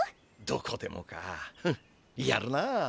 どこでもかフンやるな。